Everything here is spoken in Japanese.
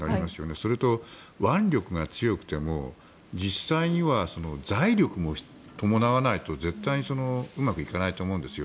それと腕力が強くても実際には財力も伴わないと絶対にうまくいかないと思うんですよ。